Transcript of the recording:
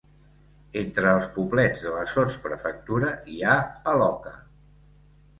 Entre els poblets de la sotsprefectura hi ha Eloka.